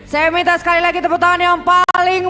saya minta sekali lagi tepuk tangan yang paling